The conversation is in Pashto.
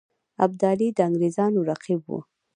ابدالي د انګرېزانو رقیب وو.